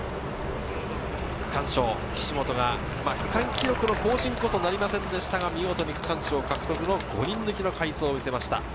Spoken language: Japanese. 区間賞・岸本が区間記録の更新こそなりませんでしたが見事に区間賞を獲得の５人抜きの快走を見せました。